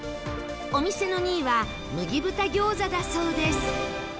お店の２位は麦豚餃子だそうです